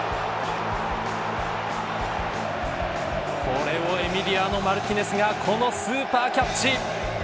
これをエミリアーノ・マルティネスがこのスーパーキャッチ。